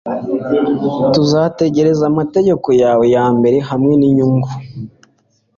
Tuzategereza amategeko yawe yambere hamwe ninyungu